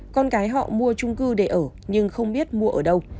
con gái họ mua trung cư để ở nhưng không biết mua ở đâu